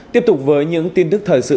tiếp tục với những tin tức thời sự